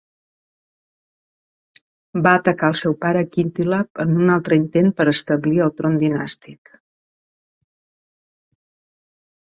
Va atacar al seu pare Khíntila en un altre intent per establir el tron dinàstic.